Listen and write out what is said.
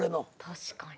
確かに。